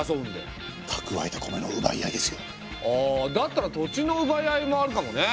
あだったら土地のうばい合いもあるかもね。